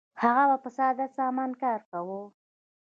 هغه به په ساده سامان کار کاوه.